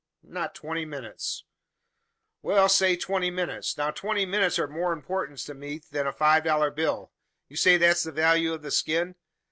"Not twenty minutes." "Well, say twenty minutes. Now, twenty minutes are of more importance to me than a five dollar bill. You say that's the value of the skin?